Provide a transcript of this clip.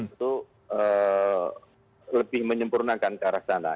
itu lebih menyempurnakan ke arah sana